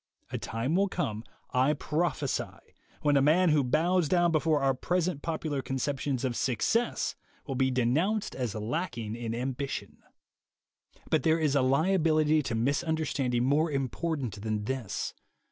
A time will come, I prophecy, when a man who bows down before our present popular conceptions of "success will be denounced as lacking in ambition. THE WAY TO WILL POWER 47 But there is a liability to misunderstanding more important than this.